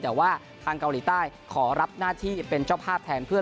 แต่ว่าทางเกาหลีใต้ขอรับหน้าที่เป็นเจ้าภาพแทนเพื่อ